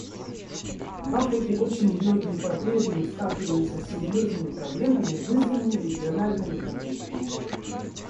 В Африке очень многие по-прежнему сталкиваются с серьезными проблемами, вызванными региональными конфликтами.